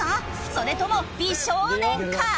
それとも美少年か？